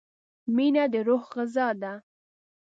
مینه د روح غذا ده.